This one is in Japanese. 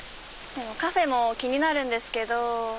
カフェも気になるんですけど。